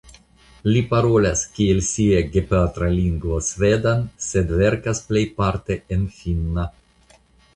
Li parolas kiel sia gepatra lingvo svedan sed verkas plejparte en finna.